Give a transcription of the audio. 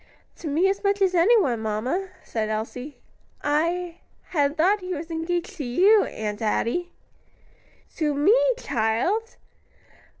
"To me as much as anyone, mamma," said Elsie. "I had thought he was engaged to you, Aunt Adie." "To me, child!"